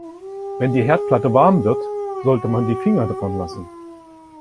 Wenn die Herdplatte warm wird, sollte man die Finger davon lassen.